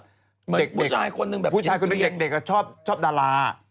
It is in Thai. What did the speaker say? เหมือนผู้ชายคนหนึ่งเด็กชอบดารา